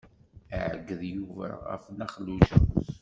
Iɛeggeḍ Yuba ɣef Nna Xelluǧa.